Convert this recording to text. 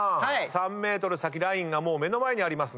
３ｍ先ラインがもう目の前にありますが。